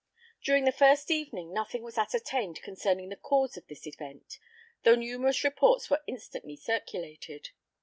During the first evening nothing was ascertained concerning the cause of this event, though numerous reports were instantly circulated.